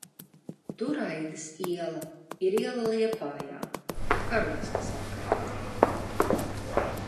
Turaidas iela ir iela Liepājā, Karostas apkaimē.